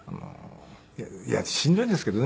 いやしんどいですけどね。